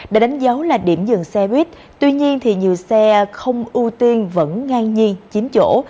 được đánh dấu là điểm dừng xe buýt tuy nhiên thì nhiều xe không ưu tiên vẫn ngang nhiên chín chỗ